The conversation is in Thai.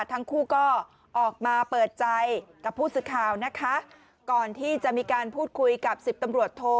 ทั้งคู่ก็ออกมาเปิดใจกับผู้สื่อข่าวนะคะก่อนที่จะมีการพูดคุยกับสิบตำรวจโท